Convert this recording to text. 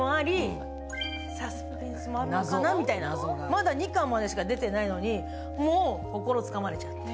まだ２巻までしか出ていないのにもう心つかまれちゃって。